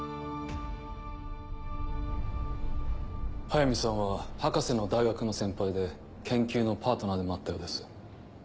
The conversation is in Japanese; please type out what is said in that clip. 速水さんは博士の大学の先輩で研究のパートナーでもあったようです。